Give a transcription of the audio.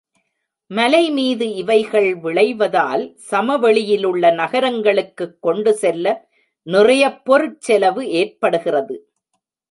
மலை மீது இவைகள் விளைவதால் சமவெளியிலுள்ள நகரங்களுக்குக் கொண்டு செல்ல நிறையப் பொருட் செலவு ஏற்படுகிறது.